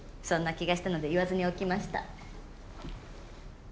そんな気がしたので言わずにおきました。